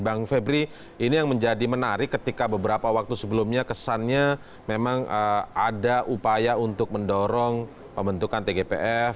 bang febri ini yang menjadi menarik ketika beberapa waktu sebelumnya kesannya memang ada upaya untuk mendorong pembentukan tgpf